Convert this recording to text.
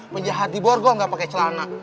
penjahat di borgo nggak pake celana